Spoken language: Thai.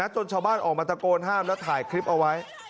จนชาวบ้านออกมาตะโกนห้ามแล้วถ่ายคลิปเอาไว้